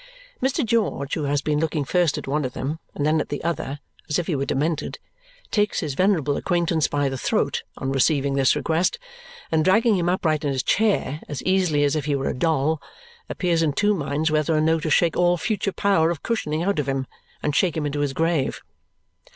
Mr. George, who has been looking first at one of them and then at the other, as if he were demented, takes his venerable acquaintance by the throat on receiving this request, and dragging him upright in his chair as easily as if he were a doll, appears in two minds whether or no to shake all future power of cushioning out of him and shake him into his grave.